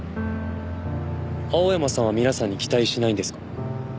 青山さんは皆さんに期待しないんですか？